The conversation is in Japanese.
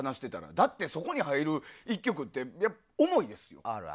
だって、そこに入る１曲って重いです。